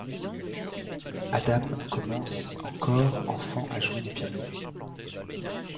Adam commence encore enfant à jouer du piano.